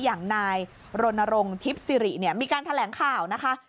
อย่างนายโรนโนรงทิศิริมีการแถลงข่าวนะคะ